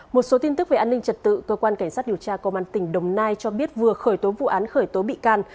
một số tin tức về an ninh trật tự cơ quan cảnh sát điều tra công an tỉnh đồng nai cho biết vừa khởi tố vụ án khởi tố bị can